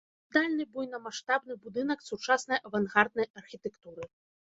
Манументальны буйнамаштабны будынак сучаснай авангарднай архітэктуры.